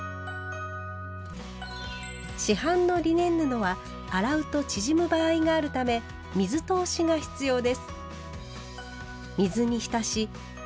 市販のリネン布は洗うと縮む場合があるため「水通し」が必要です。